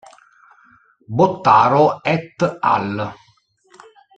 Bottaro et al.